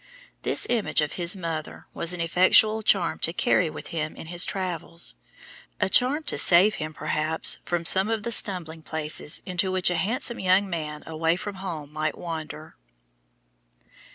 This image of his mother was an effectual charm to carry with him in his travels a charm to save him perhaps, from some of the stumbling places into which a handsome young man away from home might wander.